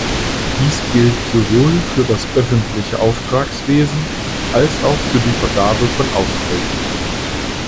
Das gilt sowohl für das öffentliche Auftragswesen als auch für die Vergabe von Aufträgen.